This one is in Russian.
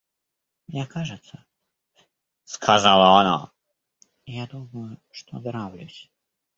– Мне кажется, – сказала она, – я думаю, что нравлюсь.